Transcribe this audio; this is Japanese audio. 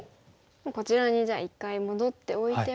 こちらにじゃあ一回戻っておいても。